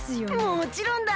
もちろんだ！